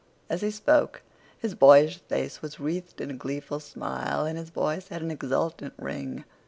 As he spoke his boyish face was wreathed in a gleeful smile, and his voice had an exultant ring.